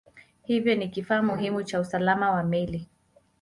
Hivyo ni kifaa muhimu cha usalama wa meli.